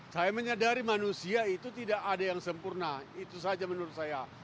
saya menyadari manusia itu tidak ada yang sempurna itu saja menurut saya